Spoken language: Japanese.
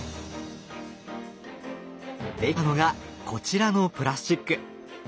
出来たのがこちらのプラスチック。